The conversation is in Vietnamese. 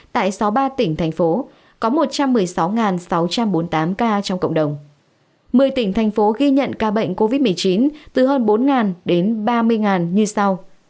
một mươi tỉnh thành phố ghi nhận ca bệnh covid một mươi chín từ hơn bốn đến ba mươi như sau